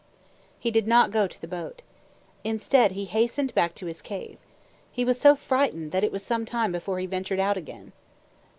He did not go to the boat. Instead he hastened back to his cave. He was so frightened that it was some time before he ventured out again.